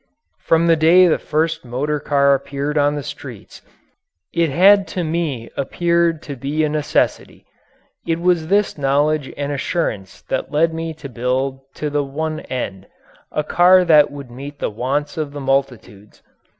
From the day the first motor car appeared on the streets it had to me appeared to be a necessity. It was this knowledge and assurance that led me to build to the one end a car that would meet the wants of the multitudes.